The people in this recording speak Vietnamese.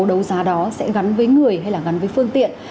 đấu giá đó sẽ gắn với người hay là gắn với phương tiện